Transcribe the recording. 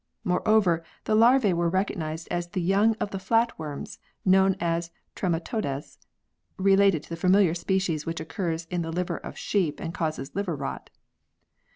Moreover, the larvae were recognised as the young of the flatworms, known as trematodes (related to the familiar species which occurs in the liver of sheep and causes liver rot).